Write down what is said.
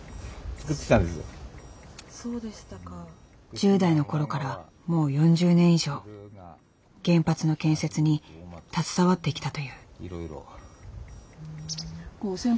１０代の頃からもう４０年以上原発の建設に携わってきたという。